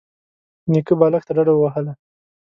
نيکه بالښت ته ډډه ووهله.